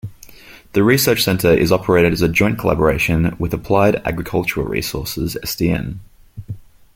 The research centre is operated as a joint collaboration with Applied Agricultural Resources Sdn.